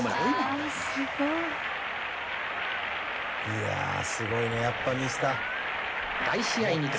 いやすごいねやっぱミスター。